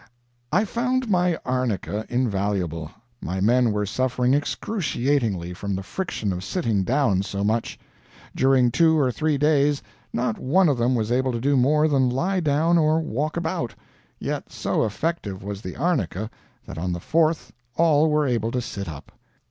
I found my arnica invaluable. My men were suffering excruciatingly, from the friction of sitting down so much. During two or three days, not one of them was able to do more than lie down or walk about; yet so effective was the arnica, that on the fourth all were able to sit up.